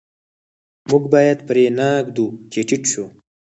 موږ باید پرې نه ږدو چې ټیټ شو.